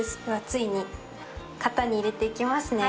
ついに型に入れていきますね。